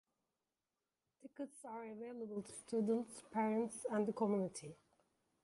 Tickets are available to students, parents and the community.